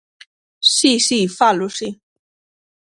Si, si, falo, si.